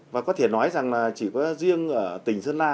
và có thể nói rằng chỉ có riêng tỉnh sơn la